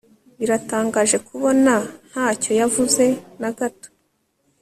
Biratangaje kubona ntacyo yavuze na gato